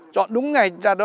chọn đúng ngày chặt đó